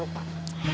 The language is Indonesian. betul itu kata lo